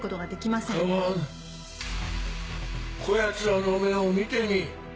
こやつらの目を見てみ。